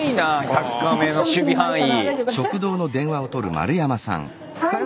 １００カメの守備範囲。